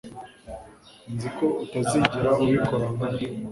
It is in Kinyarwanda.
Nzi ko utazigera ubikora nkana.